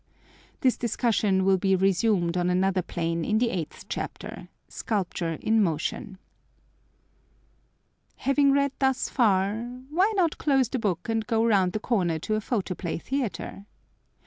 This discussion will be resumed on another plane in the eighth chapter: Sculpture in Motion. Having read thus far, why not close the book and go round the corner to a photoplay theatre?